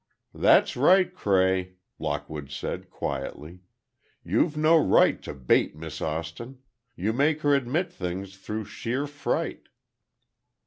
"That's right, Cray," Lockwood said, quietly. "You've no right to bait Miss Austin—you make her admit things through sheer fright."